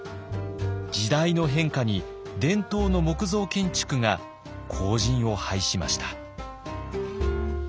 時代の変化に伝統の木造建築が後じんを拝しました。